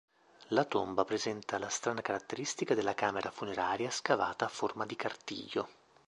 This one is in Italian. La tomba presenta la strana caratteristica della camera funeraria scavata a forma di cartiglio.